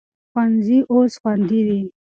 ښوونځي اوس خوندي دي.